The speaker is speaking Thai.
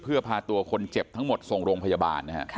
เพื่อพาตัวคนเจ็บทั้งหมดส่งโรงพยาบาลนะฮะ